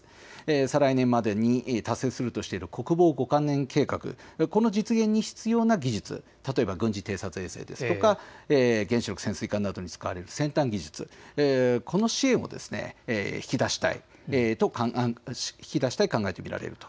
再来年までに達成するとしている国防５か年計画、これを実現に必要な技術、例えば軍事偵察衛星ですとか原子力潜水艦などに使われる先端技術、この支援を引き出したい考えがあると見られます。